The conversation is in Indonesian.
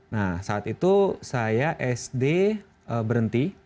nah saat itu saya sd berhenti